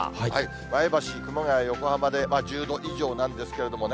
前橋、熊谷、横浜で１０度以上なんですけれどもね。